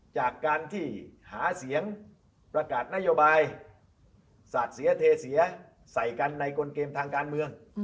จากการที่หาเสียงประกาศนโยบายสาดเสียเทเสียใส่กันในกลเกมทางการเมือง